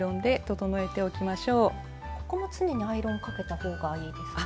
ここも常にアイロンかけた方がいいですか？